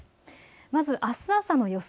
まず、あす朝の予想